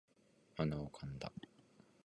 鼻をかんだ